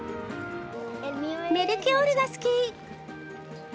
メルキオールが好き。